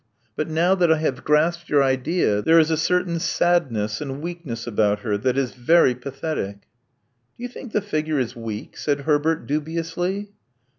But now that I have grasped your idea, there is a certain sadness and weakness about her that is very pathetic. " Do you think the figure is weak?" said Herbert dubiously.